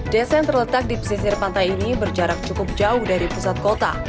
desa yang terletak di pesisir pantai ini berjarak cukup jauh dari pusat kota